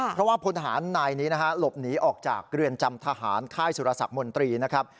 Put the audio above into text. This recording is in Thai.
เพราะว่าพลทหารนายนี้นะฮะหลบหนีออกจากเรือนจำทหารค่ายสุรสักมนตรีนะครับ